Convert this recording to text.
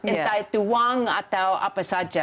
entah itu uang atau apa saja